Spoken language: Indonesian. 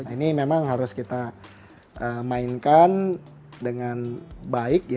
ini memang harus kita mainkan dengan baik